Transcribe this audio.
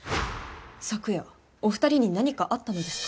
昨夜お二人に何かあったのですか？